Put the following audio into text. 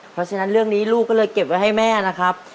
เพราะฉะนั้นเรื่องนี้ลูกก็เลยเก็บไว้ให้แม่นะครับ